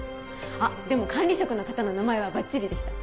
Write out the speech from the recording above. あっでも管理職の方の名前はバッチリでした。